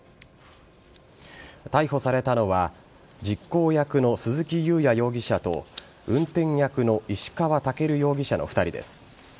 逮捕されたのは実行役の鈴木雄也容疑者と運転役の石川健容疑者の２人です。